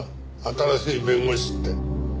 新しい弁護士って。